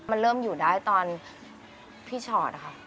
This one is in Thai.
มันเริ่มอยู่ได้ตอนพี่ชอตค่ะ